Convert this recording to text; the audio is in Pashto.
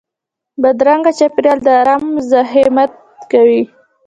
بدرنګه چاپېریال د ارام مزاحمت کوي